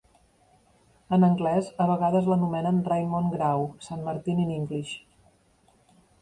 En anglès a vegades l'anomenen Raymond Grau San Martin in English.